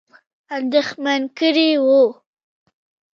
اندېښمن کړي وه.